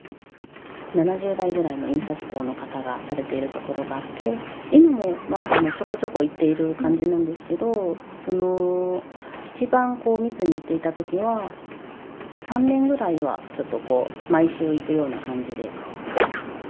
７０代ぐらいの印刷工の方がされているところがあって今もまあちょこちょこ行っている感じなんですけどその一番密に行っていた時は３年ぐらいはちょっとこう毎週行くような感じで。